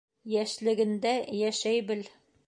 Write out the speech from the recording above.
Йәшлегендә йәшәй бел.